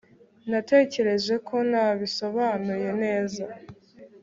natekereje ko nabisobanuye neza